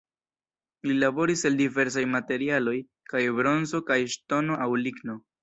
Li laboris el diversaj materialoj, kaj bronzo kaj ŝtono aŭ ligno.